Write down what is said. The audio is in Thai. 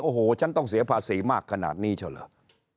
โอ้โหฉันต้องเสียภาษีมากขนาดนี้เช่าเหรอ